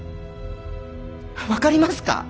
分かりますか？